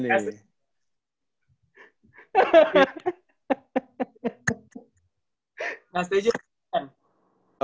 nah setuju nggak setuju kan